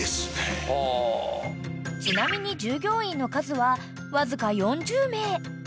［ちなみに従業員の数はわずか４０名］